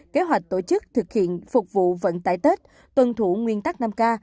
kế hoạch tổ chức thực hiện phục vụ vận tải tết tuân thủ nguyên tắc năm k